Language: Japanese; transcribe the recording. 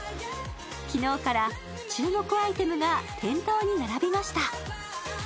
昨日から注目アイテムが店頭に並びました。